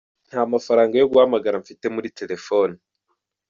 Nta mafaranga yo guhamagara mfite muri telephone.